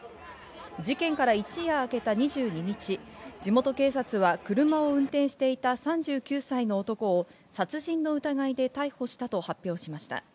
事件から一夜明けた２２日、地元警察は車を運転していた３９歳の男を殺人の疑いで逮捕したと発表しました。